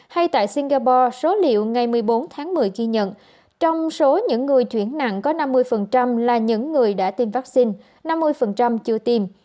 hay tại singapore số liệu ngày một mươi bốn tháng một mươi ghi nhận trong số những người chuyển nặng có năm mươi là những người đã tiêm vaccine năm mươi chưa tiêm